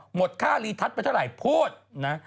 หมดค่ารีทัศน์ไปเท่าไหร่พูดนะ